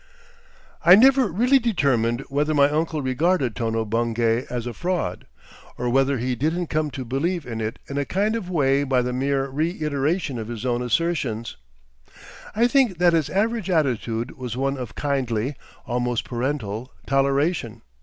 I never really determined whether my uncle regarded Tono Bungay as a fraud, or whether he didn't come to believe in it in a kind of way by the mere reiteration of his own assertions. I think that his average attitude was one of kindly, almost parental, toleration.